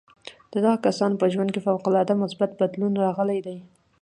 د دغو کسانو په ژوند کې فوق العاده مثبت بدلون راغلی دی